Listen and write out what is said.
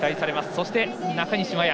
そして中西麻耶。